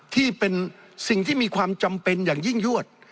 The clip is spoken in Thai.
ที่เป็นสิ่งที่มีความจำเป็นอย่างยิ่งยวด